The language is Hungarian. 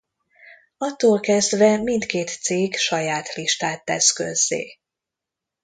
Attól kezdve mindkét cég saját listát tesz közzé.